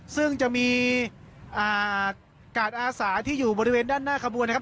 ซึ่งจะมีกาดอาสาที่อยู่บริเวณด้านหน้าขบวนนะครับ